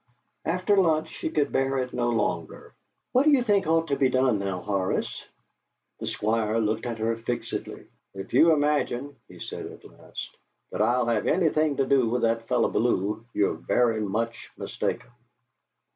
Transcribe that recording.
After lunch she could bear it no longer. "What do you think ought to be done now, Horace?" The Squire looked at her fixedly. "If you imagine," he said at last, "that I'll have anything to do with that fellow Bellew, you're very much mistaken."